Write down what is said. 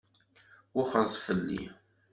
Wexxṛet fell-i.